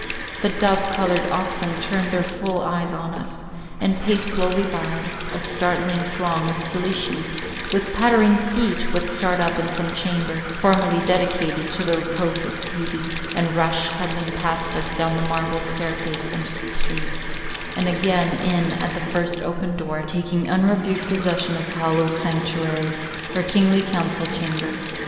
The dove coloured oxen turned their full eyes on us, and paced slowly by; a startling throng of silly sheep, with pattering feet, would start up in some chamber, formerly dedicated to the repose of beauty, and rush, huddling past us, down the marble staircase into the street, and again in at the first open door, taking unrebuked possession of hallowed sanctuary, or kingly council chamber.